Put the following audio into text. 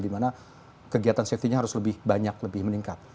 dimana kegiatan safety nya harus lebih banyak lebih meningkat